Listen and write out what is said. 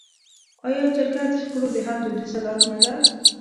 آیا جرګه د شخړو د حل دودیزه لاره نه ده؟